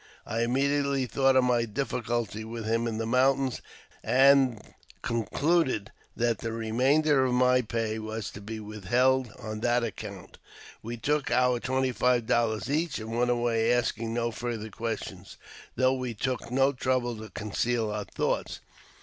I immediately thought of my difficulty with him in the mountains, and concluded that the remainder of my pay was to be withheld on that account. We took our twenty five dollars each, and went away, asking no farther questions, though we took no trouble to conceal our thoughts.